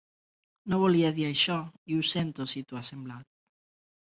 No volia dir això i ho sento si t'ho ha semblat.